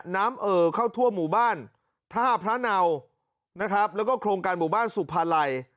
เอ่อเข้าทั่วหมู่บ้านท่าพระเนานะครับแล้วก็โครงการหมู่บ้านสุภาลัย